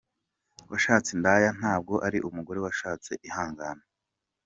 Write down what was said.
Washatse indaya ntabwo ari umugore washatse, ihangane.